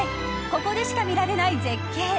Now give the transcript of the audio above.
ここでしか見られない絶景。